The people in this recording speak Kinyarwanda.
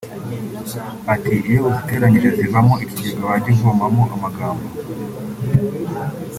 Ati “Iyo uziteranyije zivamo ikigega wajya uvomamo amagambo